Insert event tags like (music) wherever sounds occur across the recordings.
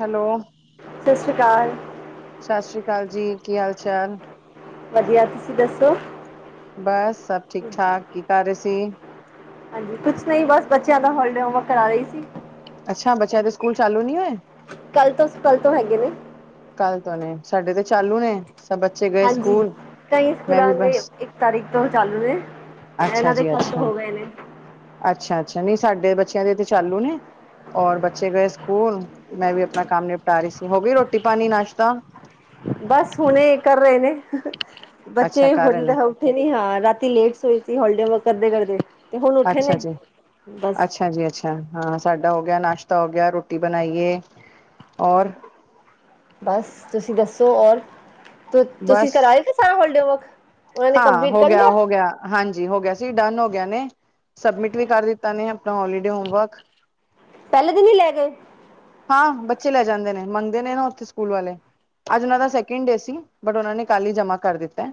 Hello. ਸਤਿ ਸ਼੍ਰੀ ਅਕਾਲ ਸਤਿ ਸ੍ਰੀ ਅਕਾਲ ਜੀ, ਕੀ ਹਾਲ-ਚਾਲ? ਵਧੀਆ ਤੁਸੀਂ ਦੱਸੋ ਬਸ ਸਭ ਠੀਕ ਠਾਕ ਕੀ ਕਰ ਰਹੇ ਸੀ। ਹਾਂਜੀ, ਕੁਛ ਨਹੀਂ ਬਸ ਬੱਚਿਆਂ ਦਾ ਹੋਲੀਡੇ ਹੋਮਵਰਕ ਕਰਾ ਰਹੀ ਸੀ। ਅੱਛਾ, ਬੱਚਿਆਂ ਦੇ ਸਕੂਲ ਚਾਲੂ ਨੀ ਹੋਏ? ਕੱਲ ਤੋਂ, ਕੱਲ ਤੋਂ ਹੈਗੇ ਨੇ। ਕਲ ਤੋਂ ਨੇ ਸਾਡੇ ਤੇ ਚਾਲੂ ਨੇ ਸਭ ਬੱਚੇ ਗਏ ਹਾਂਜੀ ਸਕੂਲ ਕਈ ਮੈਂ ਵੀ ਸਕੂਲਾਂ ਦੇ ਬਸ ਇੱਕ ਤਾਰੀਕ ਤੋਂ ਚਾਲੂ ਨੇ ਅੱਛਾ ਇਹਨਾਂ ਦੇ ਜੀ ਕਦ ਅੱਛਾ ਹੋ ਗਏ ਨੇ ਅੱਛਾ, ਅੱਛਾ ਨਹੀਂ ਸਾਡੇ ਬੱਚਿਆਂ ਦੇ ਤੇ ਚਾਲੂ ਨੇ ਔਰ ਬੱਚੇ ਗਏ ਸਕੂਲ। ਮੈਂ ਵੀ ਆਪਣਾ ਕੰਮ ਨਿਪਟਾ ਰਹੀ ਸੀ, ਹੋ ਗਈ ਰੋਟੀ-ਪਾਣੀ, ਨਾਸ਼ਤਾ? ਬਸ ਹੁਣੇ ਕਰ ਰਹੇ ਨੇ ਅੱਛਾ ਬੱਚੇ ਕਰ ਰਹੇ ਹੂਦੇ ਨੇ ਹੋ ਉਠੀ ਨੀ ਹਾਂ ਰਾਤੀ ਲੇਟ ਸੋਈ ਸੀ ਹੋਲੀ ਡੇ ਵਰਕ ਕਰਦੇ -ਕਰਦੇ ਤੇ ਹੁਣ ਉੱਠੇ ਨੇ ਅੱਛਾ ਜੀ, ਬਸ ਅੱਛਾ। ਹਾਂਜੀ, ਅੱਛਾ ਹਾਂ, ਸਾਡਾ ਹੋ ਗਿਆ, ਨਾਸ਼ਤਾ ਹੋ ਗਿਆ, ਰੋਟੀ ਬਣਾਈ ਏ ਔਰ। ਬਸ ਤੁਸੀਂ ਦੱਸੋ ਔਰ ਤੁਸੀਂ ਬਸ ਕਰਾਏ ਸੀ ਸਾਰਾ ਹੋਲੀਡੇਵਰਕ, ਉਹਨਾਂ ਨੇ ਹਾਂ ਕੰਪਲੀਟ ਹੋ ਕਰ ਗਿਆ ਲਿਆ? ਹੋ ਗਿਆ ਹਾਂਜੀ, ਹੋ ਗਿਆ ਸੀ ਡਨ ਹੋ ਗਿਆ ਨੇ, ਸਬਮਿਟ ਵੀ ਕਰ ਦਿੱਤਾ ਨੇ। ਆਪਣਾ ਹੋਲੀਡੇ ਹੋਮਵਰਕ ਪਹਿਲੇ ਦਿਨ ਹੀ ਲੈ ਗਏ ਹਾਂ ਬੱਚੇ ਲੈ ਜਾਂਦੇ ਨੇ, ਮੰਗਦੇ ਨੇ ਨਾ ਓਥੇ ਸਕੂਲ ਵਾਲੇ। ਅੱਜ ਓਨਾਂ ਦਾ ਸੈਕਿੰਡ ਡੇ ਸੀ, ਬਟ ਓਨਾਂ ਨੋ ਕੱਲ ਹੀ ਜਮਾ ਕਰ ਦਿੱਤਾ ਐ।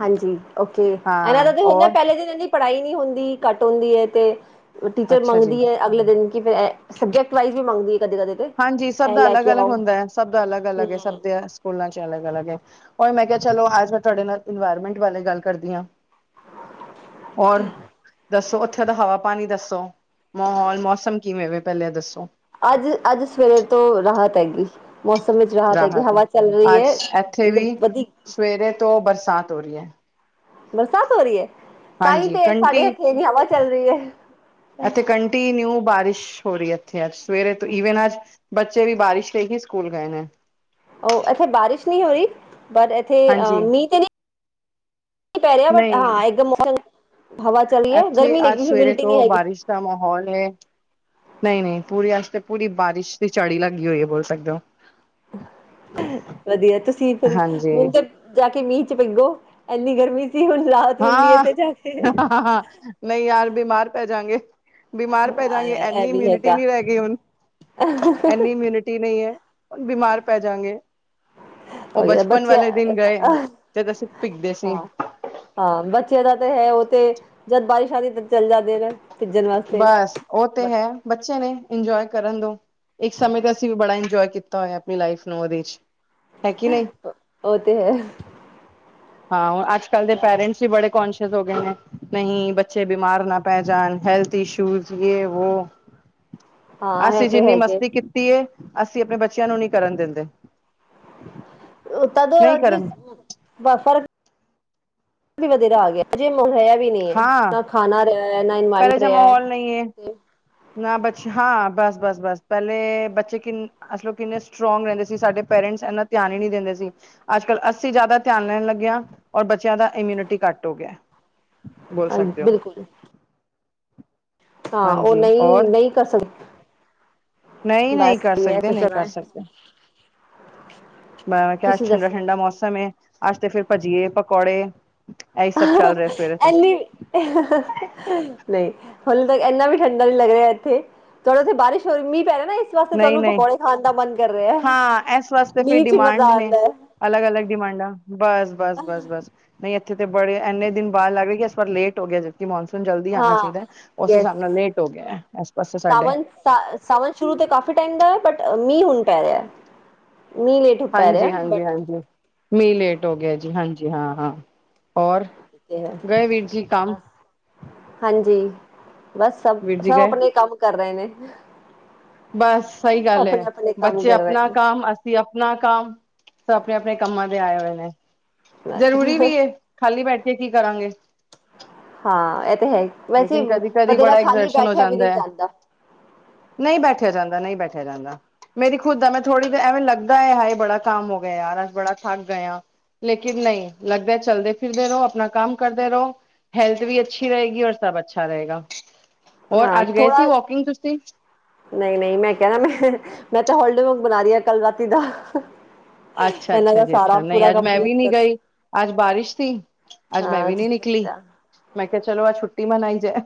ਹਾਂਜੀ, ਓਕੇ ਇਹਨਾਂ ਹਾਂ ਦਾ ਤੇ ਹੁੰਦਾ ਔਰ ਪਹਿਲੇ ਦਿਨ ਇਹ ਦੀ ਪੜ੍ਹਾਈ ਨਹੀਂ ਹੁੰਦੀ। ਘੱਟ ਹੁੰਦੀ ਏ ਤੇ ਟੀਚਰ ਅੱਛਾ ਜੀ ਮੰਗਦੀ ਹੈ ਅਗਲੇ ਦਿਨ ਕਿ ਫਿਰ ਸਬਜੈਕਟ ਵਾਈਜ਼ ਵੀ ਮੰਗਦੀ ਹੈ ਕਦੇ ਕਦੇ ਤੇ ਹਾਂਜੀ, ਸਭ ਇਹ ਦਾ ਲੈ ਕੇ ਆਓ ਅਲੱਗ-ਅਲੱਗ ਹੁੰਦਾ ਐ, ਸਭ ਦਾ ਅਲੱਗ- ਅਲੱਗ ਐ, ਹਮ ਸਭ ਦੇ ਸਕੂਲਾਂ 'ਚ ਅਲਗ-ਅਲਗ ਐ, ਔਰ ਮੈਂ ਕਿਹਾ ਚਲੋ, ਅੱਜ ਮੈਂ ਤੁਹਾਡੇ ਨਾਲ ਇਨਵਾਇਰਮੈਂਟ ਬਾਰੇ ਗੱਲ ਕਰਦੀ ਆਂ। ਔਰ? ਦੱਸੋ ਓਥੇ ਦਾ ਹਵਾ-ਪਾਨੀ ਦੱਸੋ, ਮੋਹੌਲ ਮੌਸਮ ਕਿਵੇਂ ਵੇ ਪਹਿਲਾਂ ਏ ਦੱਸੋ। ਅੱਜ ਅੱਜ ਸਵੇਰੇ ਤੋਂ ਰਾਹਤ ਹੈਗੀ ਮੌਸਮ ਵਿੱਚ ਰਾਹਤ ਹੈਗੀ ਐ, ਹਵਾ ਚੱਲ ਰਹੀ ਅੱਜ ਐ, ਇੱਥੇ ਵੀ ਵਧੀ ਸਵੇਰੇ ਤੋਂ ਬਰਸਾਤ ਹੋ ਰਹੀ ਹੈ। ਬਰਸਾਤ ਹੋ ਰਹੀ ਐ, ਤਾਂਹੀ ਹਾਂਜੀ ਤੇ ਕੰਟੀ ਸਾਡੇ ਇੱਥੇ ਏਨੀ ਹਵਾ ਚੱਲ ਰਹੀ ਐ। ਕਨਟੀ ਨਿਊ ਬਾਰਿਸ਼ ਹੋ ਰਹੀ ਇੱਥੇ ਅੱਜ ਸਵੇਰੇ ਤੋਂ ਈਵਨ ਅੱਜ ਬੱਚੇ ਵੀ ਬਾਰਿਸ਼ ਵਿੱਚ ਹੀ ਸਕੂਲ ਗਏ ਨੇ। ਉਹ ਇੱਥੇ ਬਾਰਿਸ਼ ਨਹੀਂ ਹੋ ਬਟ ਇਥੇ ਏਥੇ ਆ ਹਾਂਜੀ ਮੀਂਹ ਤੇ ਨੀ ਪੈ ਰਿਹਾ ਬਟ ਨਹੀਂ ਹਾਂ ਇੱਕਦਮ ਮੌਸਮ, ਹਵਾ ਚਲੀਏ ਇੱਥੇ ਗਰਮੀ ਅੱਜ ਲਗੀ ਸੀ, ਸਵੇਰੇ ਹਿਮੋਡਿਟੀ ਨੀ ਤੋਂ ਹੈਗੀ। ਬਾਰਿਸ਼ ਮਾਹੌਲ ਹੈ ਨਹੀਂ ਨਹੀਂ ਪੂਰੀ ਅੱਜ ਤੇ ਪੂਰੀ ਬਾਰਿਸ਼ ਦੀ ਚੜੀ ਲੱਗੀ ਹੋਈ ਹੈ ਬੋਲ ਸਕਦੇ ਹੋ (unintelligible) ਵਧੀਆ ਤੁਸੀਂ ਫਿਰ, ਹਾਂਜੀ ਹੁਣ ਤਾਂ ਜਾ ਕੇ ਮੀਂਹ ਚ ਪੀਗੋ, ਐੰਨੀ ਗਰਮੀ ਸੀ ਹੁਣ ਰਾਹਤ ਮਿਲੀ ਹੈ ਤੇ ਜਾ ਕੇ ਹਾਂ ਹਾਂ ਨਹੀਂ ਯਾਰ, ਬਿਮਾਰ ਪੈ ਜਾਗੇ -ਬਿਮਾਰ ਪੈ ਜਾਂਗੇ ਇਹ ਏਨੀ ਵੀ ਇਮਿਊਨਿਟੀ ਹੈਗਾ ਨਹੀਂ ਰਹਿ ਗਈ ਹੁਣ ਐਨੀ ਮਿਨਟੀ ਨਹੀਂ ਐ, ਬਿਮਾਰ ਪੈ ਜਾਣਗੇ। ਉਹ ਉਹੀ ਬਚਪਨ ਬੱਚੇ ਵਾਲੇ ਦਿਨ ਗਏ ਜੱਦ ਅਸੀਂ ਭਿੱਗਦੇ ਸੀ, ਹਾਂ ਹਾਂ, ਬੱਚੇ ਦਾ ਤੇ ਹੈ ਉਹ ਤੇ ਜਦ ਬਾਰਿਸ਼ ਆਉਦੀ ਤੇ ਚੱਲ ਜਾਂਦੇ ਨੇ। ਭਿੱਜਣ ਵਾਸਤੇ ਬਸ ਉਹ ਤੇ ਬਟ ਹੈ, ਬੱਚੇ ਨੇ ਇੰਜੋਏ ਕਰਨ ਦੋ ਇੱਕ ਸਮੇਂ ਤੇ ਅਸੀਂ ਵੀ ਬੜਾ ਇਨਜੋਏ ਕੀਤਾ ਹੋਇਆ, ਆਪਣੀ ਲਾਈਫ ਨੂੰ ਉਹਦੇ 'ਚ, ਹੈ ਕੀ ਨਹੀਂ? ਉਹ ਤੇ ਹੈ। ਹਾਂ ਓ, ਅੱਜ ਕੱਲ੍ਹ ਦੇ ਪੇਰੈਂਟਸ ਵੀ ਬੜੇ ਕੋਂਨਸ਼ੀਅਸ ਹੋਗੇ ਨੇ। ਨਹੀਂ ਬੱਚੇ ਬਿਮਾਰ ਨਾ ਪਹਿ ਜਾਣ ਹੈਲਥ ਇਸ਼ੂਜ਼ ਯ ਏ ਓ ਹਾਂ ਇਹ ਅਸੀਂ, ਤੇ ਜਿੰਨੀ ਹੈਗੇ ਮਸਤੀ ਕੀਤੀ, ਪੀ ਐ, ਅਸੀਂ ਆਪਣੇ ਬੱਚਿਆਂ ਨੂੰ ਨੀ ਕਰਨ ਦਿੰਦੇ। ਉ ਤਦੇ ਨਹੀਂ ਅੱਜ ਵੀ ਕਰਨ ਬਹੁਤ ਫਰਕ ਨ‌ਈਂ ਵਧੇਰਾ ਆ ਗਿਆ, ਅਜੇ ਮਨ ਹੋਇਆ ਵੀ ਨੀ ਐ, ਹਾਂ ਨਾ ਖਾਣਾ ਰਿਹਾ ਨਾ ਪਹਿਲੇ ਇੰਨਵਾਂਇਰਮੇਂਟ ਜ ਰਿਹਾ ਐ। ਮਾਹੌਲ ਨਹੀਂ ਹੈ ਨਾ ਬਚ ਹਾਂ ਬਸ-ਬਸ, ਬਸ ਪਹਿਲੇ ਬੱਚੇ ਕਿਨ ਅਸੀਂ ਲੋਕ ਕਿੰਨੇ ਸਟਰੋਂਗ ਰਹਿੰਦੇ ਸੀ, ਸਾਡੇ ਪੇਰੈਂਟਸ ਇੰਨਾ ਧਿਆਨ ਈ ਨੀ ਦਿੰਦੇ ਸੀ। ਅੱਜ -ਕੱਲ੍ਹ ਅੱਸੀ ਜ਼ਿਆਦਾ ਧਿਆਨ ਲੈਣ ਲੱਗੇ ਆ ਔਰ ਬੱਚਿਆਂ ਦਾ ਇਮਿਊਨਿਟੀ ਘੱਟ ਹੋ ਗਿਆ ਐ। ਬੋਲ ਸਕਦੇ ਓ। ਬਿਲਕੁਲ ਹਾਂ, ਉਹ ਹਾਂਜੀ ਨ‌ਈਂ, ਔਰ -ਨ‌ਈਂ ਕਰ ਸਕਦਾ ਨਹੀਂ, ਨਹੀਂ ਕਰ ਸਕਦੇ ਨਹੀਂ ਕਰ ਸਕਦੇ। ਮੈਂ ਕਿਹਾ ਅੱਜ ਤੁਸੀਂ ਠੰਡਾ ਦੱਸੋ -ਠੰਡਾ ਮੌਸਮ ਏ ਅੱਜ ਤੇ ਫੇਰ ਭਜੀਏ ਪਕੌੜੇ ਐਈ ਸਭ ਚੱਲ ਰਿਹਾ, ਸਵੇਰੇ ਤੋਂ (unintelligible) ਨ‌ਈਂ, ਹਲੇ ਤੱਕ ਇੰਨਾ ਵੀ ਠੰਡਾ ਨਹੀਂ ਲੱਗ ਰਿਆ ਇੱਥੇ। ਚਲ ਉਥੇ ਬਾਰਿਸ਼ ਹੋ ਰੀ, ਮੀਹ ਪੈ ਰਿਹਾ ਵਾਸਤੇ ਨਹੀਂ ਤੁਹਾਨੂੰ ਨਹੀਂ ਪਕੌੜੇ ਖਾਣ ਦਾ ਮਨ ਕਰ ਰਿਹਾ। ਹਾਂ ਮੀਂਹ 'ਚ ਈ ਮਜ਼ਾ ਆਂਦਾ ਐ। ਅਲਗ- ਅਲਗ ਡਿਮਾਂਡਾ। ਬਸ -ਬਸ -ਬਸ- ਬਸ ਬਈ ਏਥੇ ਤੇ ਬੜੇ, ਐਨੇ ਦਿਨ ਬਾਦ ਲੱਗ ਰੇ ਕਿ ਇਸ ਵਾਰ ਲੇਟ ਹੋ ਗਿਆ ਜੇ। ਕਿ ਮੌਨਸੂਨ ਜਲਦੀ ਆਉਣਾ ਹਾਂ ਚਾਹੀਦਾ ਹੈ ਉਸ ਯਸ ਹਿਸਾਬ ਨਾਲ ਲੇਟ ਹੋ ਗਿਆ ਇਸ ਪਾਸੇ ਸਾਡੇ ਸਾ ਸਾਵਨ ਸ਼ੁਰੂ ਤੇ ਕਾਫ਼ੀ ਟਾਈਮ ਦਾ ਐ, ਬਟ ਮੀਂਹ ਹੁਣ ਪੈ ਰਿਹਾਂ। ਮੀਂਹ ਲੇਟ ਪੈ ਰਿਹਾ ਬਟ ਹਾਂਜੀ-ਹਾਂਜੀ-ਹਾਂਜੀ, ਮੀਂਹ ਲੇਟ ਹੋ ਗਿਆ ਜੀ, ਹਾਂਜੀ, ਹਾਂ-ਹਾਂ। ਔਰ ਠੀਕ ਹੈ। ਗਏ ਵੀਰ ਜੀ ਕੰਮ? ਬਸ ਹਾਂਜੀ, ਬਸ ਵੀਰ ਜੀ ਸਭ-ਸਭ ਗਏ ਆਪਣੇ ਕੰਮ ਕਰ ਰਹੇ ਨੇ। ਬੱਸ ਸਹੀ ਸਭ ਗੱਲ ਆਪਣੇ ਐ, ਆਪਣੇ ਕੰਮ ਬੱਚੇ ਕਰ ਆਪਣਾ ਕੰਮ ਅਸੀਂ ਅਸੀਂ ਆਪਣਾ ਕੰਮ, ਸਭ ਆਪਣੇ ਆਪਣੇ ਕੰਮਾਂ ਦੇ ਆਏ ਹੋਏ ਨੇ, ਰਹੇ ਜ਼ਰੂਰੀ ਨੇ ਵੀ ਐ। ਖਾਲੀ ਬੈਠੇ ਕੀ ਕਰਾਂਗੇ ਹਾਂ, ਐ ਤੇ ਹੈ ਈ, ਵੈਸੇ ਲੇਕਿਨ ਕਦੀ ਕਦੀ ਵਦੇਰਾ ਬੜਾ ਖਾਲੀ ਐਗਜਰਸ਼ਨ ਬੈਠਿਆ ਵੀ ਨੀ ਜਾਂਦਾ। ਨ‌ਈਂ ਬੈਠਿਆ ਜਾਂਦਾ, ਨ‌ਈਂ ਬੈਠਿਆ ਜਾਂਦਾ। ਮੇਰੀ ਖੁਦ ਆ ਮੈਂ ਥੋੜ੍ਹੀ ਐਵੇਂ ਲੱਗਦਾ ਹੈ ਇਹ ਬੜਾ ਕੰਮ ਹੋ ਗਿਆ ਯਾਰ ਬੜਾ ਥੱਕ ਗਏ ਹਾਂ ਲੇਕਿਨ ਨ‌ਈਂ, ਲਗਦਾ ਚਲਦੇ-ਫਿਰਦੇ ਰ‌ਓ, ਆਪਣਾ ਕੰਮ ਕਰਦੇ ਰ‌ਓ। ਹੈਲਥ ਵੀ ਅੱਛੀ ਰਹੇਗੀ, ਔਰ ਸਭ ਅੱਛਾ ਰਹੇਗਾ। ਹੋਰ ਹਾਂ, ਅੱਜ ਗਏ ਥੋੜਾ ਸੀ ਵੋਕਿੰਗ ਤੁਸੀਂ ਨ‌ਈਂ- ਨ‌ਈਂ ਮੈਂ ਕਿਆ, ਮੈਂ ਤਾਂ ਹੋਲਡਿਗ ਹੋਮ ਬਣਾ ਰਹੀ ਆ ਕੱਲ ਰਾਤੀ ਦਾ ਅੱਛਾ ਇਹਨਾਂ -ਅੱਛਾ ਦਾ ਜੀ ਸਾਰਾ ਅੱਛਾ ਨਹੀਂ ਪੂਰਾ ਅੱਜ ਮੈਂ ਕੰਪਲੀਟ ਵੀ ਨਈ ਕਰ ਗਈ ਅੱਜ ਬਾਰਿਸ਼ ਸੀ। ਅੱਜ ਮੈਂ ਹਾਂ ਵੀ ਨੀ ਤੁਸੀਂ ਨਿਕਲੀ, ਦੱਸਿਆ ਮੈਂ ਕਿਹਾ ਚਲੋ ਅੱਜ ਛੁੱਟੀ ਮਨਾਈ ਜਾਏ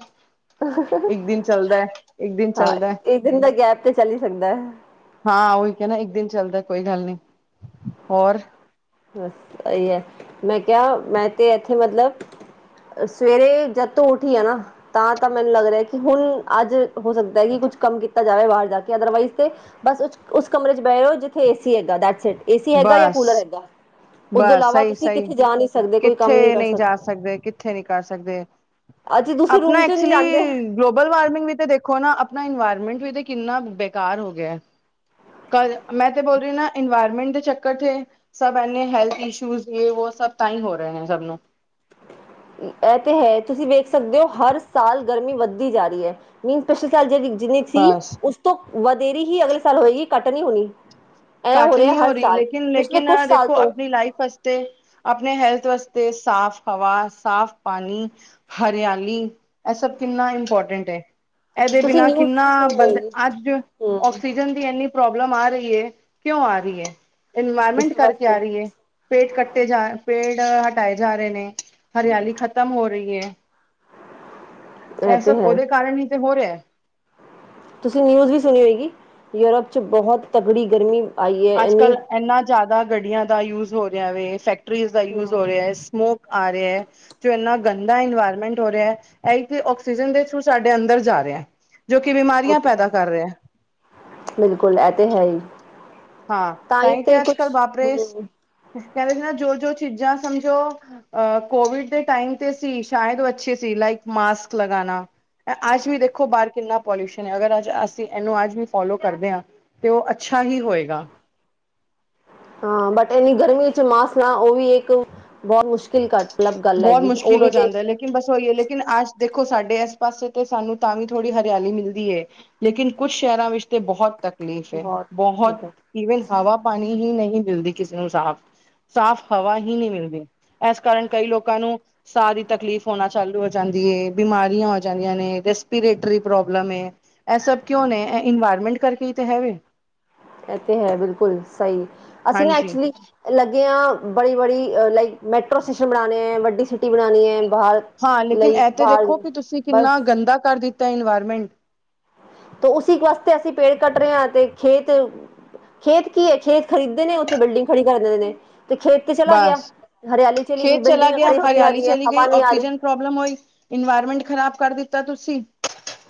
ਇੱਕ ਦਿਨ ਚੱਲਦਾ ਐ, ਇੱਕ ਦਿਨ ਹਾਂ ਚੱਲਦਾ ਐ। ਇੱਕ ਦਿਨ ਦਾ ਗੈਪ ਤੇ ਚੱਲ ਹੀ ਸਕਦਾ ਹੈ ਹਾਂ ਉਹੀ ਕਹਿਣਾ ਇੱਕ ਦਿਨ ਚੱਲਦਾ ਕੋਈ ਗੱਲ ਨੀਂ, ਹੋਰ। ਸਹੀ ਐ, ਮੈਂ ਕਿਹਾ ਮੈਂ ਤੇ ਇੱਥੇ ਮਤਲਬ ਸਵੇਰੇ ਜਦ ਤੋਂ ਉੱਠੀ ਆ ਨਾਂ ਤਾਂ -ਤਾਂ ਮੈਨੂੰ ਲੱਗ ਰਿਹਾ ਕਿ ਹੁਣ, ਅੱਜ ਹੈ ਸਕਦਾ ਐ ਕਿ ਕੁੱਛ ਕੰਮ ਕੀਤਾ ਜਾਵੇ ਬਾਹਰ ਜਾ ਕੇ ਅਦਰਵਾਈਜ਼ ਤੇ ਬਸ ਉਸ ਕਮਰੇ ਚ ਬਹਿ ਜੇ ਜਿੱਥੇ ਏਸੀ ਹੈਗਾ ਦੈਟ ਸੈੱਟ ਏਸੀ ਹੈਗਾ ਯਾ ਬਸ ਕੂਲਰ ਹੈਗਾ। ਉਹਦੇ ਬਸ ਇਲਾਵਾ ਸਹੀ- ਤੁਸੀਂ ਸਹੀ ਕਿੱਥੇ ਜਾ ਨਹੀਂ ਸਕਦੇ ਕੋਈ ਕੰਮ ਨਹੀਂ ਕਿੱਥੇ ਕਰ ਨੀਂ ਜਾ ਸਕਦੇ ਕਿੱਥੇ ਨੀਂ ਕਰ ਸਕਦੇ ਅਸੀਂ ਦੂਸਰੇ ਆਪਣਾ ਰੂਮ 'ਚ ਨਹੀਂ ਐਕਚੁਲੀ ਜਾਂਦੇ। ਗਲੋਬਲ ਵਾਰਮਿੰਗ ਵੀ ਤੇ ਦੇਖੋ ਨਾ ਆਪਣਾ ਇਨਵਾਇਰਮੈਂਟ ਵੀ ਤੇ ਕਿੰਨਾ ਬੇਕਾਰ ਹੋ ਗਿਆ ਐ। ਕਲ, ਮੈਂ ਤੇ ਬੋਲ ਰੀ ਨਾ ਇਨਵਾਇਰਮੈਂਟ ਦੇ ਚੱਕਰ ਤੇ ਸਭ ਐਨ ਏ ਹੈਲਥ ਇਸ਼ੂਜ਼ ਯੈ-ਵੋ ਸਭ ਤਾਈ ਹੋ ਰਹੇ ਸਭ ਨੂੰ। ਐ ਤੇ ਹੈ, ਤੁਸੀਂ ਵੇਖ ਸਕਦੇ ਹੋ ਹਰ ਸਾਲ ਗਰਮੀ ਵੱਧਦੀ ਜਾਂ ਰਹੀ ਐ, ਮੀਨ ਪਿਛਲੇ ਸਾਲ ਜਿੰਨੀ ਥੀ ਬਸ ਉਸ ਤੋਂ ਵਧੇਰੀ ਹੀ ਅਗਲੇ ਸਾਲ ਹੋਏਗੀ ਘੱਟ ਨਹੀਂ ਹੋਣੀ ਐ ਘੱਟ ਰਿਹਾ ਨੀ ਹੋ ਹਰ ਰਹੀ ਸਾਲ ਪਿਛਲੇ ਲੇਕਿਨ-ਲੇਕਿਨ ਕੁਛ ਸਾਲ ਦੇਖੋ ਤੋਂ ਆਪਣੀ ਲਾਈਫ ਸ ਤੇ ਆਪਣੇ ਹੈਲਥ ਵਾਸਤੇ ਸਾਫ਼ ਹਵਾ ਸਾਫ਼ ਪਾਣੀ। ਹਰਿਆਲੀ ਐ ਸਭ ਕਿੰਨਾ ਇੰਪੋਰਟੈਂਟ ਐ। ਐਦੇ ਤੁਸੀਂ ਬਿਨਾ ਨਿਊਜ਼ ਕਿੰਨਾ ਵੀ ਸੁਣੀ ਬੰਦੇ ਹੋਏਗੀ ਅੱਜ ਹੂੰ। ਆਕਸੀਜਨ ਤੇ ਐਨੀ ਪ੍ਰੋਬਲਮ ਆ ਰਹੀ ਐ, ਕਿਉਂ ਆ ਰਹੀ ਐ, ਇਨਵਾਇਰਮੈਂਟ ਇਸੀ ਕਰਕੇ ਵਾਸਤੇ ਆ ਰਹੀ ਐ। ਪੇੜ ਕੱਟੇ ਜਾਂ, ਪੇੜ ਹਟਾਏ ਜਾਂ ਰੋ ਨੇ, ਹਰਿਆਲੀ ਖ਼ਤਮ ਹੋ ਰਹੀ ਐ। ਇਹ ਐ ਤੇ ਸਭ ਹੈ ਉਹਦੇ ਕਾਰਨ ਹੀ ਤੇ ਹੋ ਰਿਹਾ। ਤੁਸੀਂ ਨਿਊਜ਼ ਵੀ ਸੁਣੀ ਹੋਏਗੀ, ਯੂਰੋਪ 'ਚ ਬਹੁਤ ਤਕੜੀ ਗਰਮੀ ਆਈ ਹੈ ਇੰਨੀ ਅੱਜ-ਕੱਲ੍ਹ ਏਨਾ ਜਾਦਾ ਗੱਡੀਆਂ ਦਾ ਯੂਜ ਹੋ ਰਿਹਾ ਵੇ, ਫੈਕਟਰੀਜ਼ ਦਾ ਯੂਜ ਹੋ ਹਾਂ ਰਿਹਾ ਸਮੋਕ ਆ ਰਿਹਾ ਐ। ਜੋ ਇੰਨਾ ਗੰਦਾ ਇਨਵਾਇਰਮੈਂਟ ਹੋ ਰਿਹਾ, ਐ ਈ ਤੇ ਔਕਸੀਜਨ ਦੇ ਥਰੂ ਸਾਡੇ ਅੰਦਰ ਜਾ ਰਿਹਾ। ਜੋ ਕਿ ਉਹ ਬਿਮਾਰੀਆਂ ਤੇ ਪੈਦਾ ਕਰ ਹੈ ਰਿਹਾ। ਬਿਲਕੁਲ ਐ ਤੇ ਹੈ ਈ। ਹਾਂ ਤਾਂ ਹੀ ਤੇ ਅੱਜ-ਕੱਲ੍ਹ ਹਮ (unintelligible) ਜੋ-ਜੋ ਚੀਜ਼ਾਂ ਸਮਝੋ ਅ ਕੋਵਿਡ ਦੇ ਟਾਈਮ ਤੇ ਸੀ ਸ਼ਾਇਦ ਓ ਅੱਛੇ ਸੀ ਲਾਇਕ ਮਾਸਕ ਲਗਾਨਾ। ਅੱਜ ਵੀ ਦੇਖੋ ਬਾਰ ਕਿੰਨਾ ਪੋਲਿਊਸ਼ਨ ਹੈ ਅਗਰ ਅੱਜ ਅਸੀਂ ਏਨੂੰ ਅੱਜ ਵੀ ਫੋਲੋ ਕਰਦੇ ਆਂ ਤੇ ਓ ਅੱਛਾ ਹੀ ਹੋਏਗਾ। ਹਾਂ ਬਟ ਏਨੀਂ ਗਰਮੀ 'ਚ ਮਾਸ ਨਾ ਓ ਵੀ ਇੱਕ ਬਹੁਤ ਮੁਸ਼ਕਿਲ ਘੱਟ ਅਲੱਗ ਗੱਲ ਹੈਗੀ, ਓ ਵੀ ਤੇ ਲੇਕਨ ਬਸ ਓਇਓ ਲੇਕਿਨ ਅੱਜ ਦੇਖੋ ਸਾਡੇ ਇਸ ਪਾਸੇ ਤੇ ਸਾਨੂੰ ਤਾਂ ਵੀ ਥੋੜ੍ਹੀ ਹਰਿਆਲੀ ਮਿਲਦੀ ਏ। ਲੇਕਿਨ ਕੁਛ ਸ਼ਹਿਰਾਂ ਵਿੱਚ ਤੇ ਬੋਹਤ ਤਕਲੀਫ਼ ਏ, ਬਹੁਤ ਬੋਹਤ। ਇਹ ਈਵਨ ਹਵਾ ਪਾਨੀ ਹੀ ਨਹੀਂ ਮਿਲਦੀ ਕਿਸੇ ਨੂੰ ਸਾਫ਼। ਸਾਫ਼ ਹਵਾ ਹੀ ਨਈ ਮਿਲਦੀ ਇਸ ਕਾਰਨ ਕਈ ਲੋਕਾਂ ਨੂੰ ਸਾਹ ਦੀ ਤਕਲੀਫ਼ ਹੋਨਾ ਚਾਲੂ ਹੋ ਜਾਂਦੀ ਏ, ਬਿਮਾਰੀਆਂ ਹੋ ਜਾਂਦੀਆਂ ਨੇ, ਰੈਸਪੀਰੇਟਰੀ ਪ੍ਰੋਬਲਮ ਏ। ਐ ਸਭ ਕਿਉਂ ਨੇ? ਐ ਇਨਵਾਇਰਮੈਂਟ ਕਰਕੇ ਹੀ ਤੇ ਹੈ ਵੇ। ਐ ਤੇ ਹੈ ਬਿਲਕੁਲ ਸਈ ਅਸੀਂ ਨਾ ਹਾਂਜੀ ਐਕਚੁਲੀ ਲੱਗੇ ਆਂ ਬੜੀ--ਬੜੀ ਅ ਲਾਈਕ ਮੈਟਰੋ ਸਟੇਸ਼ਨਮ ਬਣਾਣੇ ਐ, ਵੱਡੀ ਸਿਟੀ ਬਣਾਣੀ ਹੈ ਬਾਰ ਹਾਂ ਲੇਕਿਨ ਐ ਤੇ ਦੇਖੋ ਕਿ ਤੁਸੀਂ ਕਿੰਨਾ ਗੰਦਾ ਕਰ ਦਿੱਤਾ ਇਨਵਾਇਰਮੈਂਟ। ਤੇ ਉਸ ਚੀਜ਼ ਵਾਸਤੇ ਅਸੀਂ ਪੇੜ ਕੱਟ ਰਹੇ ਆਂ ਤੇ ਖੇਤ, ਖੇਤ ਕੀ ਐ, ਖੇਤ ਖਰੀਦੇ ਨੇ ਓਥੇ ਬਿਲਡਿੰਗ ਖੜੀ ਕਰ ਦੇਂਦੇ ਨੇ ਤੇ ਖੇਤ 'ਚ ਚਲਾ ਗਿਆ, ਬਸ ਹਰਿਆਲੀ ਚਲੀ ਗਈ, ਖੇਤ ਚਲਾ ਬਿਲਡਿੰਗਾਂ ਗਿਆ ਖੜੀ ਹੋਦੀ ਜਾ ਹਰਿਆਲੀ ਰਹੀ ਐ, ਚਲੀ ਹਵਾ ਗਈ ਨੀ ਆ ਰੀ। ਆਕਸੀਜਨ ਪ੍ਰੋਬਲਮ ਓਈ ਇਨਵਾਇਰਮੈਂਟ ਖ਼ਰਾਬ ਕਰ ਦਿੱਤਾ ਤੁਸੀਂ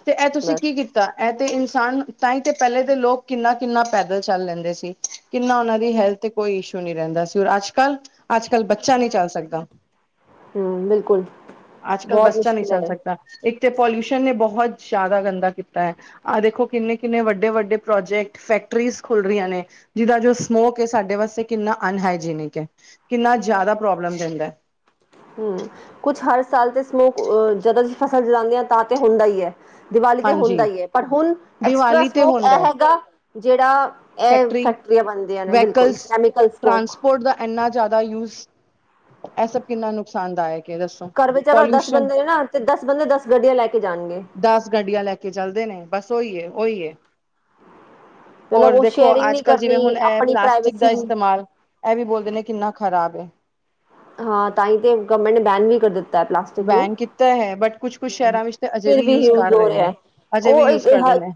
ਤੇ ਐ ਤੁਸੀਂ ਬਸ ਕੀ ਕੀਤ ਤਾ ਐ ਤੇ ਇਨਸਾਨ ਤਾਂ ਹੀ ਤੇ ਪਹਿਲੇ ਦੇ ਲੋਕ ਕਿੰਨਾ-ਕਿੰਨਾ ਪੈਦਲ ਚੱਲ ਲੈਂਦੇ ਸੀ। ਕਿੰਨਾ ਓਨਾਂ ਦੀ ਹੈਲਥ ਤੇ ਕੋਈ ਇਸ਼ੂ ਨੀ ਰਹਿੰਦਾ ਸੀ ਔਰ ਅੱਜ ਕੱਲ੍ਹ, ਅੱਜ-ਕੱਲ੍ਹ ਬੱਚਾ ਨੀ ਚੱਲ ਸਕਦਾ। ਹਮ ਬਿਲਕੁਲ ਅੱਜ-ਕੱਲ ਬਹੁਤ ਬੱਚਾ ਨੀ ਮੁਸ਼ਕਿਲ ਚੱਲ ਹੈ ਸਕਦਾ। ਇੱਕ ਤੇ ਪੋਲਿਊਸ਼ਨ ਨੇ ਬੋਹਤ ਜਾਦਾ ਗੰਦਾ ਕੀਤਾ ਐ। ਆਹ ਦੇਖੋ ਕਿੰਨੇ-ਕਿੰਨੇ, ਵੱਡੇ-ਵੱਡੇ ਪ੍ਰੋਜੈਕਟ ਫੈਕਟਰੀਜ਼ ਖੁੱਲ ਰਹੀਆਂ ਨੇ। ਜਿਦਾ ਜੋ ਸਮੋਕ ਹੈ ਸਾਡੇ ਵਾਸਤੇ ਕਿੰਨਾ ਅਨਹਾਈਜੀਨਿਕ ਐ, ਕਿੰਨਾ ਜਾਦਾ ਪ੍ਰੋਬਲਮ ਦੇਂਦਾ ਐ। ਹੂੰ, ਕੁਛ ਹਰ ਸਾਲ ਤੇ ਸਮੋਕ ਅ ਜਦੋਂ ਅਸੀਂ ਫਸਲ ਜਲਾਂਦੇ ਆ ਤਾਂ ਤੇ ਹੁੰਦਾ ਹੀ ਐ। ਦੀਵਾਲੀ ਤੇ ਹੁੰਦਾ ਹਾਂਜੀ ਹੀ ਏ, ਪਰ ਹੁਨ ਐਕਸਟਰਾ ਦੀਵਾਲੀ ਤੇ ਸਮੋਕ ਐ ਹੁੰਦਾ ਹੈਗਾ। ਜੇੜਾ ਇਹ ਫੈਕਟਰੀ ਫੈਕਟਰੀਆਂ ਬਨਦੀਆਂ ਨੇ ਬਿਲਕੁਲ ਕੈਮੀਕਲ ਸਮੋਕ। ਐਨਾ ਜਾਦਾ ਯੂਜ ਐ ਸਭ ਕਿੰਨਾ ਨੁਕਸਾਨਦਾਇਕ ਹੈ ਦੱਸੋ ਘਰ ਵਿੱਚ ਅਗਰ ਦਸ ਪੋਲਿਊਸ਼ਨ ਬੰਦੇ ਨੇ ਨਾ, ਤੇ ਦਸ ਬੰਦੇ ਦਸ ਗੱਡੀਆਂ ਲੈ ਕੇ ਜਾਨਗੇ। ਦਸ ਗੱਡੀਆਂ ਲੈ ਕੇ ਚਲਦੇ ਨੇ, ਬਸ ਓਈ ਏ ਓਈ ਏ। ਮਤਲਬ ਹੋਰ ਉਹ ਦੇਖੋ ਸ਼ੇਅਰਿੰਗ ਨਹੀਂ ਅੱਜ-ਕੱਲ ਜਿਵੇਂ ਹੁਨ ਕਰਨੀ ਐ ਜਿਵੇਂ ਆਪਣੀ ਪਲਾਸਟਿਕ ਪ੍ਰਾਈਵੇਸੀ ਦਾ ਇਸਤੇਮਾਲ ਏ ਵੀ ਬੋਲਦੇ ਨੇ ਕਿੰਨਾ ਖ਼ਰਾਬ ਏ। ਹਾਂ, ਤਾਂ ਈ ਤੇ ਗਵਰਮੈਂਟ ਨੇ ਬੈਨ ਵੀ ਕਰ ਦਿੱਤ ਬੈਨ ਕੀਤਾ ਹੋਇਆ ਐ ਬਟ ਕੁਛ-ਕੁਛ ਸ਼ਹਿਰਾਂ ਵਿੱਚ ਤੇ ਅਜੇ ਵੀ ਯੂਜ ਕਰ ਰੇ ਨੇ। ਅਜੇ ਵੀ ਯੂਜ ਕਰਦੇ ਨੇ।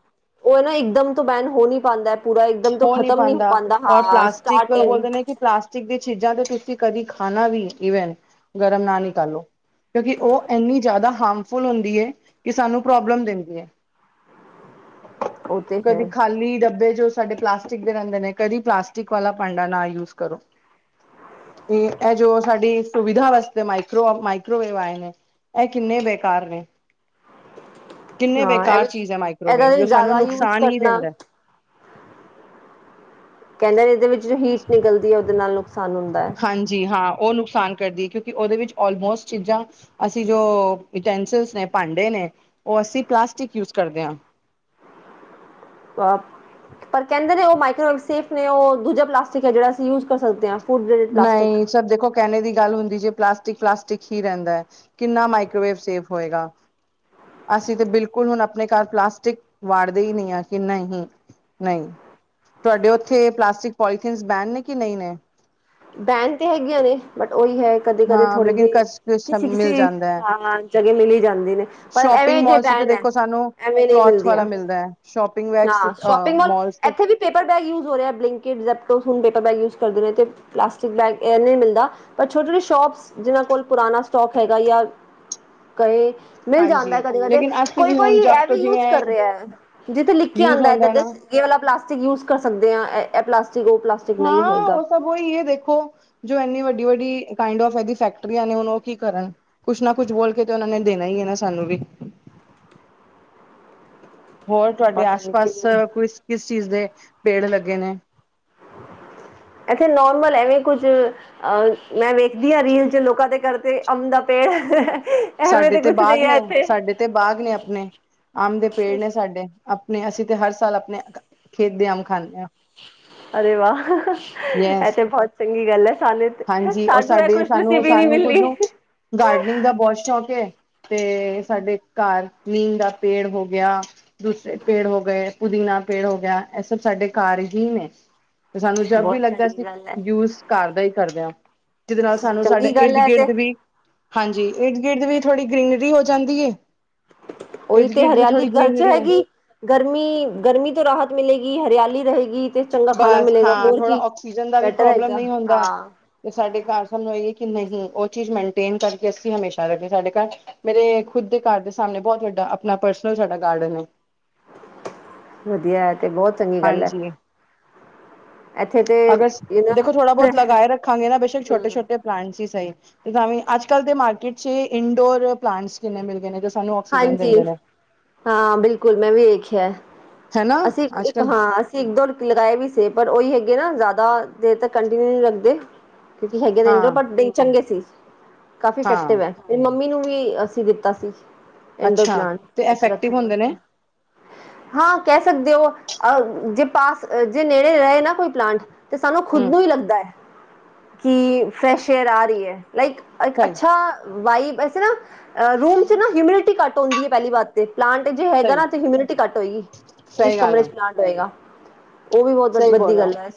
ਓ ਨਾ ਇਕਦਮ ਤੋਂ ਬੰਦ ਹੋ ਨੀ ਪਾਂਦਾ ਪੂਰਾ ਇਕਦਮ ਤੋਂ ਨਹੀਂ ਖਤਮ ਨੀ ਹੋ ਪਾਉਂਦਾ ਪਾਂਦਾ ਔਰ ਹਾਂ ਪਲਾਸਟਿਕ ਸਟਾਰਟਿਗ ਬੋਲਦੇ ਨੇ ਕਿ ਪਲਾਸਟਿਕ ਦੀ ਚੀਜ਼ਾਂ ਤੇ ਤੁਸੀਂ ਕਦੀ ਖਾਨਾ ਵੀ ਈਵਨ ਗਰਮ ਨਾ ਨਿਕਲੋ। ਕਿਉਂਕਿ ਓ ਏਨੀਂ ਜਾਦਾ ਹਾਰਮਫੁੱਲ ਹੁੰਦੀ ਏ ਕਿ ਸਾਨੂੰ ਪ੍ਰੋਬਲਮ ਦਿੰਦੀ ਏ। ਉਹ ਤੇ ਹੈ ਕਦੀ ਖਾਲੀ ਡੱਬੇ ਜੋ ਸਾਡੇ ਪਲਾਸਟਿਕ ਦੇ ਰਹਿੰਦੇ ਨੇ, ਕਦੀ ਪਲਾਸਟਿਕ ਵਾਲਾ ਭਾਂਡਾ ਨਾ ਯੂਜ ਕਰੋ। ਤੇ ਐ ਜੋ ਸਾਡੀ ਸੁਵਿਧਾ ਵਾਸਤੇ ਮਾਈਕਰੋ ਮਾਇਕ ਵੇ ਆਏ ਨੇ ਐ ਕਿੰਨੇ ਬੇਕਾਰ ਨੇ। ਕਿੰਨੇ ਹਾਂ ਇਹ ਬੇਕਾਰ ਵੀ ਚੀਜ਼ ਐ ਇਹਦਾ ਮਾਈਕ੍ਰੋਵੇਵ ਵੀ ਜੋ ਸਾਨੂੰ ਜ਼ਿਆਦਾ ਯੂਜ ਨੁਕਸਾਨ ਈ ਕਰਨਾ ਦੇਂਦਾ ਐ। ਕਹਿੰਦੇ ਨੇ ਇਹਦੇ ਵਿੱਚ ਹੀਟ ਨਿਕਲਦੀ ਹੈ ਉਹਦੇ ਨਾਲ ਨੁਕਸਾਨ ਹੁੰਦਾ ਹੈ ਹਾਂਜੀ ਹਾਂ ਓ ਨੁਕਸਾਨ ਕਰਦੀ ਕਿਉਂਕਿ ਉਹਦੇ ਵਿੱਚ ਆਲਮੋਸਟ ਚੀਜ਼ਾਂ ਅਸੀਂ ਜੋ ਯੂਟੈਨੰਸਿਲਸ ਨੇ ਭਾਂਡੇ ਨੇ ਉਹ ਅਸੀਂ ਪਲਾਸਟਿਕ ਯੂਜ ਕਰਦੇ ਹਾਂ। ਪਰ ਕਹਿੰਦੇ ਨੇ ਉਹ ਮਾਈਕੋਵੇਵ ਸੇਫ ਨੇ ਉਹ ਦੂਜਾ ਪਲਾਸਟਿਕ ਹੈ ਜਿਹੜਾ ਅਸੀਂ ਯੂਜ ਕਰ ਸਕਦੇ ਹਾਂ ਫੂਡ ਗ੍ਰੇਡ ਪਲਾਸਟਿਕ ਨਹੀਂ ਸਬ ਦੇਖੋ ਕਹਿਣੇ ਦੀ ਗੱਲ ਹੁੰਦੀ ਜੇ ਪਲਾਸਟਿਕ ਪਲਾਸਟਿਕ ਹੀ ਰਹਿੰਦਾ ਹੈ। ਕਿੰਨਾ ਮਾਈਕ੍ਰੋਵੇਵ ਸੇਫ ਹੋਏਗਾ ਅਸੀਂ ਤਾਂ ਬਿਲਕੁਲ ਹੁਣ ਆਪਣੇ ਘਰ ਪਲਾਸਟਿਕ ਵਾੜਦੇ ਹੀ ਨਹੀਂ ਹਾ ਕਿ ਨਹੀ ਨਹੀਂ ਤੁਹਾਡੇ ਉੱਥੇ ਪਲਾਸਟਿਕ ਪੋਲੀਥੀਨ ਬੈਣ ਨੇ ਕਿ ਨਹੀਂ ਨੇ ਬੈਨ ਤੇ ਹੈਗੀਆਂ ਨੇ ਬਟ ਉਹੀ ਹੈ ਕਦੇ ਕਦੇ ਹਾਂ ਥੋੜੀ ਲੇਕਿਨ ਕ ਜਿਹੀ ਕਿਸੀ ਮਿਲ ਕਿਸੇ ਜਾਂਦਾ ਹੈ ਹਾਂ ਜਗ੍ਹਾ ਮਲੀ ਹੀ ਜਾਂਦੇ ਨੇ ਪਰ ਸ਼ੋਪਿੰਗ ਐਵੇਂ ਜੇ ਮੋਲਸ ਤੇ ਬੈਣ ਹੈ ਦੇਖੋ ਸਾਨੂੰ ਐਵੇਂ ਨਹੀਂ ਕਲੋਥ ਮਿਲਦੀਆਂ ਵਾਲਾ ਮਿਲਦਾ ਹੈ ਸ਼ੋਪਿੰਗ ਵੈਕਸ ਹਾਂ ਸ਼ੋਪਿੰਗ ਮਾਲ ਮੋਲਸ ਤੇ ਇੱਥੇ ਵੀ ਪੇਪਰ ਬੈਗ ਯੂਜ ਹੋ ਰਿਹਾ Blinkit Zepto paper bag use ਕਰਦੇ ਰਹੇ ਤੇ ਪਲਾਸਟਿਕ ਬੈਗ ਇਹ ਨਹੀ ਮਿਲਦਾ ਪਰ ਉਹਦੇ ਲਈ ਸ਼ੋਪਸ ਜਿਨ੍ਹਾਂ ਕੋਲ ਪੁਰਾਣਾ ਸਟੋਕ ਹੈਗਾ ਯਾ ਕਏ। ਮਿਲ ਜਾਂਦਾ ਹਾਂਜੀ ਕਦੇ ਕਦੇ ਲੇਕਿਨ ਅਸੀਂ ਕੋਈ ਵੀ ਹੁਣ ਕੋਈ ਜਬ ਇਹ ਤੋਂ ਵੀ ਯੂਜ ਜਿਵੇਂ ਕਰ ਰਿਹਾ ਜਿੱਥੇ ਲਿਖ ਕੇ ਯੂਜ ਆਉਂਦਾ ਏਰ ਹੁੰਦਾ ਨਾ ਦੇ ਕੇਵਲ ਪਲਾਸਟਿਕ ਯੂਜ ਕਰ ਸਕਦੇ ਹਾਂ ਇਹ ਪਲਾਸਟਿਕ ਉਹ ਪਲਾਸਟਿਕ ਨਹੀਂ ਹੈਗਾ ਸਬ ਹੀ ਇਹ ਦੇਖੋ, ਜੋ ਇੰਨੀ ਵੱਡੀ ਵੱਡੀ ਕਾਇੰਡਫ ਇਹਦੀ ਫੈਕਟਰੀਆਂ ਨੇ ਹੁਣ ਉਹ ਕੀ ਕਰਨ। ਕੁਛ ਨਾ ਕੁਛ ਬੋਲ ਕੇ ਤੇ ਉਹਨਾਂ ਨੇ ਦੇਣਾ ਹੀ ਹੈ ਨਾ ਸਾਨੂੰ ਵੀ ਹੋਰ ਤੁਹਾਡੇ ਪਤਾ ਆਸ ਨੀ ਪਾਸ ਕਿੰਨਾ ਕੁ ਕਿਸ ਚੀਜ਼ ਦੇ ਪੇੜ ਲੱਗੇ ਨੇ ਇੱਥੇ ਨੋਰਮਲ ਐਵੇਂ ਕੁੱਝ ਅਹ ਮੈਂ ਵੇਖਦੀ ਹਾਂ ਰੀਅਲ ਚ ਲੋਕਾਂ ਦੇ ਘਰ ਤੇ ਅੰਮ ਦਾ ਪੇੜ ਸਾਡੇ ਤੇ ਕੁਛ ਨਹੀਂ ਬਾਗ ਹੈ ਨੇ, ਇੱਥੇ ਸਾਡੇ ਤੇ ਬਾਗ ਨੇ ਆਪਣੇ ਆਮ ਦੇ ਪੇੜ ਨੇ ਸਾਡੇ ਆਪਣੇ ਅਸੀਂ ਤੇ ਹਰ ਸਾਲ ਆਪਣੇ ਖੇਤ ਦੇ ਅੰਬ ਖਾਂਦੇ ਹਾਂ ਅਰੇ ਵਾਹ ਇਹ ਯੈਸ ਤੇ ਬਹੁਤ ਚੰਗੀ ਗੱਲ ਹੈ ਸਾਨੂੰ ਤੇ ਹਾਂਜੀ ਔਰ ਸਾਡੂ ਇਹ ਸਾਡੇ ਸਾਨੂੰ ਖੁਸ਼ਨਸੀਬੀ ਨਹੀਂ ਸਾਨੂੰ ਖੁਦ ਮਿਲਣੀ ਨੂੰ ਗਾਰਡਨਿੰਗ ਦਾ ਬਹੁਤ ਸ਼ੌਕ ਹੈ। ਤੇ ਸਾਡੇ ਘਰ ਨੀਂਮ ਦਾ ਪੇੜ ਹੋ ਗਿਆ ਦੂਸਰੇ ਪੇੜ ਹੋ ਗਏ, ਪੁਦੀਨਾ ਪੇੜ ਹੋ ਗਿਆ, ਇਹ ਸਭ ਸਾਡੇ ਕਾਰ ਹੀ ਨੇ। ਸਾਨੂੰ ਜਬ ਵੀ ਬਹੁਤ ਲੱਗਦਾ ਚੰਗੀ ਸੀ ਗੱਲ ਹੈ ਯੂਸ ਕਰ ਦਾ ਹੀ ਕਰਦਿਆਂ ਜਿਹਦੇ ਨਾਲ ਸਾਨੂੰ ਸਾਡਾ ਚੰਗੀ ਗੱਲ ਇਰਦ ਹੈ ਤੇ ਗਿਰਦ ਵੀ ਹਾਂਜੀ ਇਰਧ ਗਿਰਧ ਵੀ ਥੋੜ੍ਹੀ ਗ੍ਰਰੀਨਰੀ ਹੋ ਜਾਂਦੀ ਉਹੀ ਇਰਦ ਤੇ ਗਿਰਦ ਵੀ ਹਰਿਆਲੀ ਥੋੜ੍ਹੀ ਘਰ ਚ ਗ੍ਰੀਨਰੀ ਹੈ ਹੈਗੀ ਗਰਮੀ ਗਰਮੀ ਤੋਂ ਰਾਹਤ ਮਿਲੇਗੀ ਹਰਿਆਲੀ ਰਹੇਗੀ ਤੇ ਚੰਗਾ ਖਾਣਾ ਬਸ ਮਿਲੇਗਾ ਹਾਂ ਹੋਰ ਥੋੜਾ ਕੀ ਆਕਸੀਜਨ ਦਾ ਵੀ ਬੈਟਰ ਪ੍ਰੋਬਲਮ ਹੈਗਾ ਨਹੀਂ ਹੁੰਦਾ। ਹਾਂ ਤੇ ਸਾਡੇ ਘਰ ਸਾਨੂ ਆਈਏ ਕਿ ਨਹੀਂ ਉਹ ਚੀਜ਼ ਮੇਨਟੇਨ ਕਰਕੇ ਅਸੀਂ ਹਮੇਸ਼ਾ ਰੱਖੀਏ ਸਾਡੇ ਘਰ ਮੇਰੇ ਖੁਦ ਦੇ ਘਰ ਦੇ ਸਾਹਮਣੇ ਬਹੁਤ ਵੱਡਾ ਆਪਣਾ ਪਰਸਨਲ ਸਾਡਾ ਗਾਰਡਨ ਹੈ ਵੱਧੀਆ ਇਹ ਤੇ ਬਹੁਤ ਚੰਗੀ ਗੱਲ ਹੈ ਹਾਂਜੀ ਇੱਥੇ ਤੇ ਅਗਰ ਯੂ ਦੇਖੋ ਥੋੜਾ ਨਾ ਬਹੁਤ ਲਗਾਏ ਰੱਖ ਖੰਘਗੇ ਨਾ ਬੇਸ਼ੱਕ ਛੋਟੇ ਛੋਟੇ ਪਲਾਂਟ ਹੀ ਸਹੀ ਤਾਂ ਵੀ ਅੱਜ ਕੱਲ ਦੇ ਮਾਰਕੀਟ ਚ ਇੰਡੋਰ ਪਲਾਂਟਸ ਕਿੰਨੇ ਮਿਲ ਗਏ ਨੇ ਸਾਨੂੰ ਆਕਸੀਜਨ ਹਾਂਜੀ ਦਿੰਦੇ ਨੇ। ਹਾਂ ਬਿਲਕੁਲ ਮੈਂ ਵੀ ਵੇਖਿਆ ਹਨਾ ਅਸੀਂ ਇੱਕ ਅੱਜ-ਕੱਲ ਹਾਂ ਇਕ ਦੋ ਲਗਾਏ ਵੀ ਸੀ ਪਰ ਉਹੀ ਹੈਗੇ ਨਾ ਜ਼ਿਆਦਾ ਦੇਰ ਤੱਕ ਕੰਟੀਨਿਊ ਨਹੀਂ ਰੱਖਦੇ ਕਿਉਂਕਿ ਹੈਗੇ ਵਿੰਡੋ ਸੀ ਪਰ ਹਾਂ-ਹਾਂ ਬੀਜ ਚੰਗੇ ਸੀ ਕਾਫੀ ਇਫੈਕਟਿਵ ਹੈ ਤੇ ਮੰਮੀ ਨੂੰ ਵੀ ਅਸੀਂ ਦਿੱਤਾ ਸੀ ਇਨਡੋਰ ਅੱਛਾ ਪਲਾਂਟ ਤੇ ਘਰ ਚ ਇਫੈਕਟਿਵ ਰੱਖਣ ਹੁੰਦੇ ਨੇ ਵਾਸਤੇ ਹਾਂ ਕਹਿ ਸਕਦੇ ਹੋ ਅਹ ਜੇ ਪਾਸ ਜੇ ਨੇੜੇ ਰਹੇ ਨਾ ਕੋਈ ਪਲਾਂਟ ਤੇ ਸਾਨੂੰ ਖੁਦ ਹੂੰ ਨੂੰ ਹੀ ਲੱਗਦਾ ਹੈ ਕਿ ਫਰੈਸ਼ ਏਅਰ ਆ ਰਹੀ ਹੈ ਲਾਈਕ ਸਹੀ-ਸਹੀ, ਅੱਛਾ! ਵਾਈਬ ਨਾ ਰੂਮ ਚ ਨਾ ਹਮਿਡਿਟੀ ਘੱਟ ਹੁੰਦੀ ਪਹਿਲੀਾਰ ਤੇ ਪਲਾਂਟ ਜੇ ਹੈਗਾ ਸਹੀ ਨਾ ਤੇ ਹਊਮਿਨਿਟੀ ਘੱਟ ਹੋਏਗੀ ਜਿਸ ਸਹੀ ਗੱਲ ਕਮਰੇ ਚ ਹੈ ਪਲਾਂਟ ਹੋਏਗਾ ਉਹ ਵੀ ਬਹੁਤ ਸਹੀ ਬੋਲ ਵੱਧੀਆ ਰਹੇ ਹੋ। ਗੱਲ ਹੈ